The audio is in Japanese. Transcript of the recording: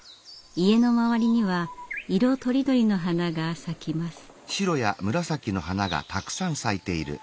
家の周りには色とりどりの花が咲きます。